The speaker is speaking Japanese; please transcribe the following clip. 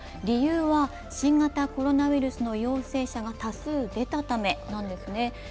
理由は、新型コロナウイルスの陽性者が多数出たためなんですね。